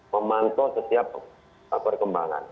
memantau setiap perkembangan